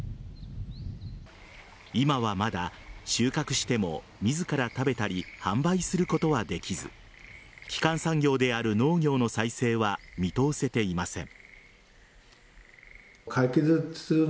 今はまだ、収穫しても自ら食べたり販売することはできず基幹産業である農業の再生は見通せていません。